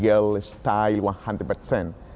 การสะดวกนัดแกร่ง